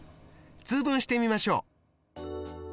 通分してみましょう。